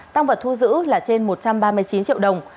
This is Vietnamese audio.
tăng vật thu giữ là trên một trăm ba mươi chín triệu đồng